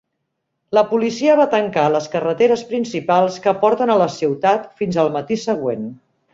La policia va tancar les carreteres principals que porten a la ciutat fins al matí següent.